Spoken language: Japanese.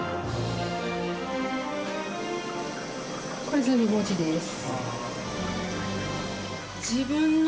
これ全部文字です。